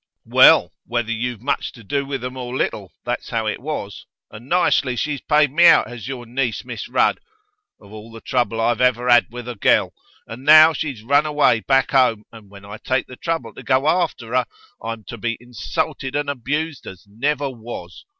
'Well, whether you've much to do with them or little, that's how it was. And nicely she's paid me out, has your niece, Miss Rudd. Of all the trouble I ever had with a girl! And now when she's run away back 'ome, and when I take the trouble to go arfter her, I'm to be insulted and abused as never was!